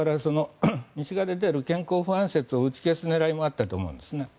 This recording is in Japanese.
西側で出ている健康不安説を打ち消す狙いがあったと思います。